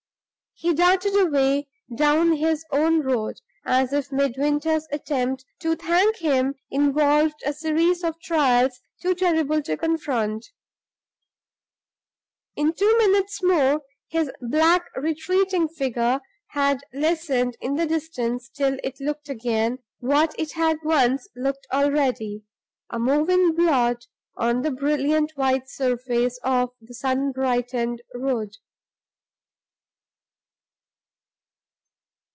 He darted away down his own road, as if Midwinter's attempt to thank him involved a series of trials too terrible to confront. In two minutes more, his black retreating figure had lessened in the distance till it looked again, what it had once looked already, a moving blot on the brilliant white surface of the sun brightened road.